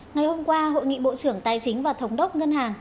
ngày hôm qua hội nghị bộ trưởng tài chính và thống đốc ngân hàng